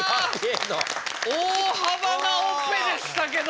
大幅なオペでしたけど。